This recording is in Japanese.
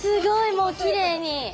もうきれいに。